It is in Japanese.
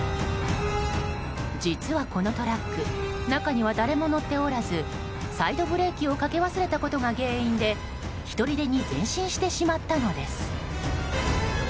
実はこのトラック中には誰も乗っておらずサイドブレーキをかけ忘れたことが原因でひとりでに前進してしまったのです。